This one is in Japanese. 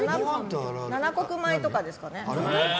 七穀米とかですね。